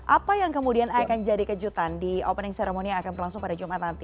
apa yang kemudian akan jadi kejutan di opening ceremony yang akan berlangsung pada jumat nanti